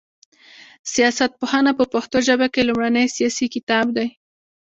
سياست پوهنه په پښتو ژبه کي لومړنی سياسي کتاب دی